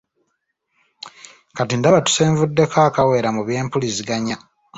Kati ndaba tusenvuddeko akawera mu by'empuliziganya.